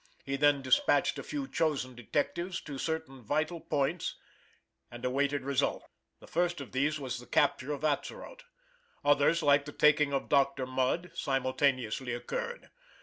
He then dispatched a few chosen detectives to certain vital points, and awaited results. The first of these was the capture of Atzeroth. Others, like the taking of Dr. Mudge, simultaneously occured.